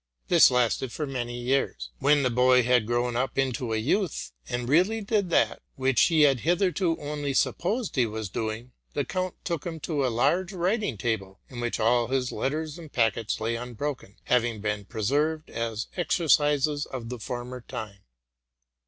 This lasted for many years. When the boy had grown up into a youth, and really did that which he had hith erto only supposed he was doing, the count took him to a 144 TRUTH AND FICTION large writing table, in which all his letters and packets lay unbroken, having been preserved as exercises of the former time.